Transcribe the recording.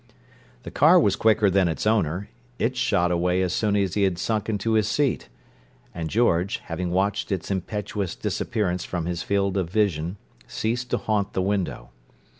The car was quicker than its owner; it shot away as soon as he had sunk into his seat; and George, having watched its impetuous disappearance from his field of vision, ceased to haunt the window.